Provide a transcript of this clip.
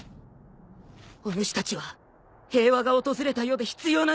おぬしたちは平和が訪れた世で必要な人間なのだ！